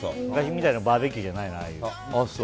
昔みたいなバーベキューじゃないの。